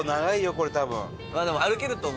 これ多分。